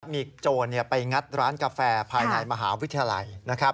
มีโจรไปงัดร้านกาแฟภายในมหาวิทยาลัยนะครับ